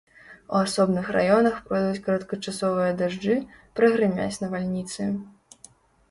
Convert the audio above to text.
У асобных раёнах пройдуць кароткачасовыя дажджы, прагрымяць навальніцы.